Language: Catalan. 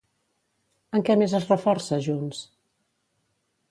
En què més es reforça Junts?